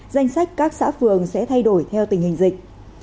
danh sách các xã phường sẽ thay đổi theo tình hình dịch